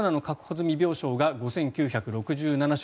済み病床が５９６７床。